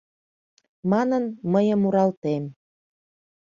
Манын, мые муралтем.